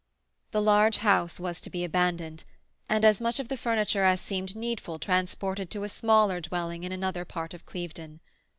The large house was to be abandoned, and as much of the furniture as seemed needful transported to a smaller dwelling in another part of Clevedon.